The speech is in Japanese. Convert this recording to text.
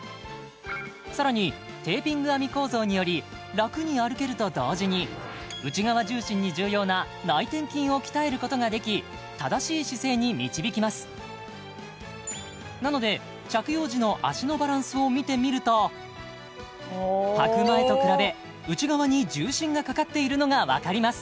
さらにテーピング編み構造によりラクに歩けると同時に内側重心に重要な内転筋を鍛えることができ正しい姿勢に導きますなので着用時の脚のバランスを見てみるとはく前と比べ内側に重心がかかっているのが分かります